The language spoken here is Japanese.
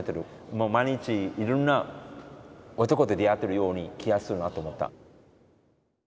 もう毎日いろんな男と出会ってるような気がするなと思った。